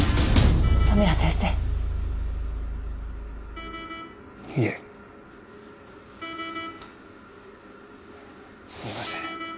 染谷先生いえすみません